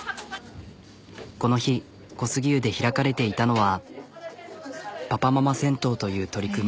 この日小杉湯で開かれていたのはパパママ銭湯という取り組み。